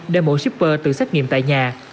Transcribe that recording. để mỗi shipper tự xét nghiệm tại nhà